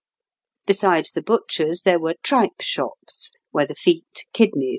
Besides the butchers' there were tripe shops, where the feet, kidneys, &c.